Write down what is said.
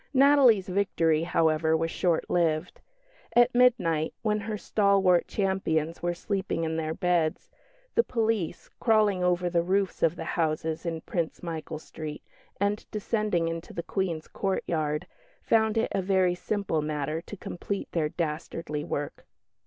Natalie's victory, however, was short lived. At midnight, when her stalwart champions were sleeping in their beds, the police, crawling over the roofs of the houses in Prince Michael Street, and descending into the Queen's courtyard, found it a very simple matter to complete their dastardly work.